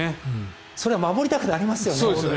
それは守りたくなりますよね。